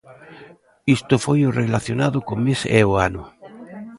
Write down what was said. Isto foi o relacionado co mes e o ano.